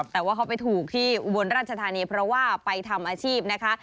แต่ว่าเขาไปถูกที่อุบลราชธานีเพราะว่าไปทำอาชีพนะคะ